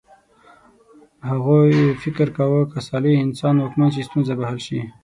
هغوی فکر کاوه که صالح انسان واکمن شي ستونزه به حل شي.